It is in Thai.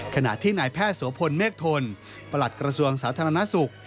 ขณะที่นายแพทย์โสพลเมฆทนประหลัดกระทรวงสาธารณสุข